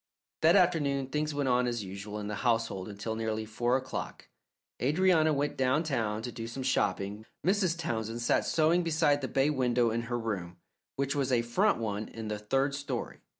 That afternoon things went on as usual in the household until nearly four o'clock. Adrianna went downtown to do some shopping. Mrs. Townsend sat sewing beside the bay window in her room, which was a front one in the third story.